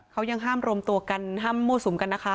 เขายังห้ามรวมตัวกันห้ามมั่วสุมกันนะคะ